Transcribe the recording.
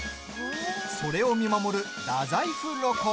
それを見守る大宰府ロコ。